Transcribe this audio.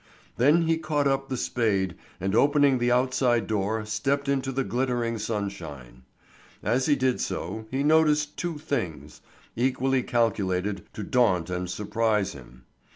Then he caught up the spade, and opening the outside door stepped into the glittering sunshine. As he did so he noticed two things, equally calculated to daunt and surprise him.